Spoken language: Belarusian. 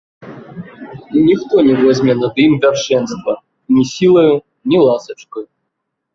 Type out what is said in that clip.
Ніхто не возьме над ім вяршэнства ні сілаю, ні ласачкаю.